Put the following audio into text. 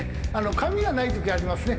紙がないときありますね。